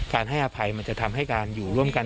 ให้อภัยมันจะทำให้การอยู่ร่วมกัน